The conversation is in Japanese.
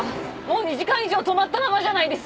もう２時間以上止まったままじゃないですか！